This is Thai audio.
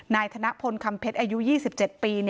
ธนพลคำเพชรอายุ๒๗ปี